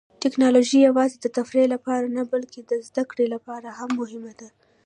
ټیکنالوژي یوازې د تفریح لپاره نه، بلکې د زده کړې لپاره هم مهمه ده.